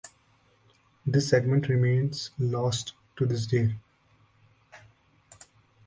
This segment remains lost to this day.